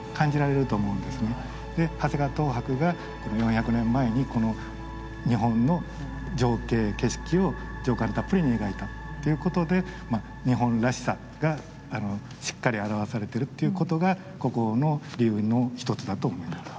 で長谷川等伯が４００年前にこの日本の情景景色を情感たっぷりに描いたっていうことで日本らしさがしっかり表されてるっていうことが国宝の理由の一つだと思います。